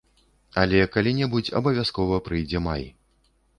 Але калі-небудзь абавязкова прыйдзе май.